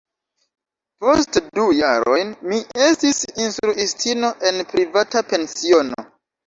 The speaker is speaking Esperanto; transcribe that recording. Poste du jarojn mi estis instruistino en privata pensiono.